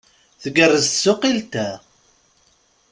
Tgerrez tsuqilt-a!